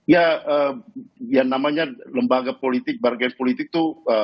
ya yang namanya lembaga politik bargai politik itu